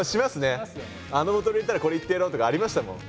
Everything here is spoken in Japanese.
あのこと言ったらこれ言ってやろうとかありましたもん。